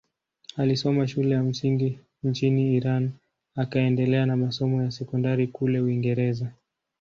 Alisoma shule ya msingi nchini Iran akaendelea na masomo ya sekondari kule Uingereza.